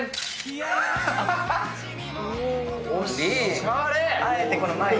おしゃれ！